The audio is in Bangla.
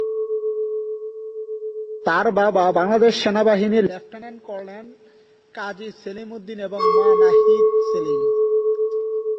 তার বাবা বাংলাদেশ সেনাবাহিনীর লেফটেন্যান্ট কর্নেল কাজী সেলিম উদ্দিন এবং মা নাহিদ সেলিম।